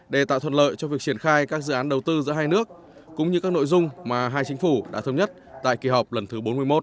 để tạo thuận lợi cho việc triển khai các dự án đầu tư giữa hai nước cũng như các nội dung mà hai chính phủ đã thông nhất tại kỳ họp lần thứ bốn mươi một